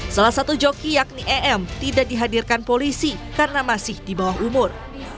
salah satu joki yakni em tidak dihadirkan polisi karena masih di bawah umur